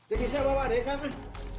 itu bisa bawa adeka kan